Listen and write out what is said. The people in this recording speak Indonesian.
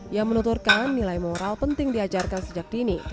ia menuturkan nilai moral penting diajarkan sejak dini